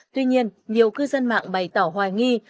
tuy nhiên nhiều cư dân mạng bày tỏ hoài nghi